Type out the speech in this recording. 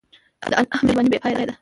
د الله مهرباني بېپایه ده.